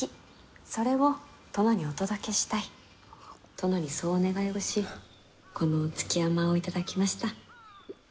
殿にそうお願いをしこの築山を頂きました。